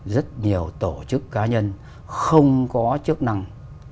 rất nhiều tổ chức cá nhân không có chức năng